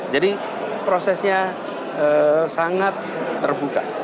jadi prosesnya sangat terbuka